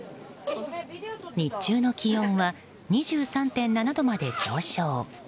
日中の気温は２３．７度まで上昇。